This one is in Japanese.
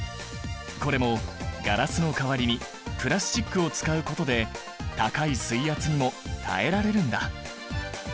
これもガラスの代わりにプラスチックを使うことで高い水圧にも耐えられるんだ。